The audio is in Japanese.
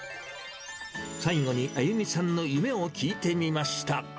最後にあゆみさんの夢を聞いてみました。